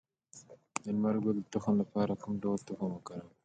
د لمر ګل د تخم لپاره کوم ډول تخم وکاروم؟